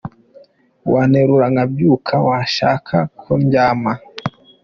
Wanterura nkabyuka Washaka ko ndyama.